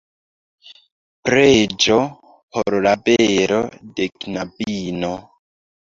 Preĝo por la belo de knabino.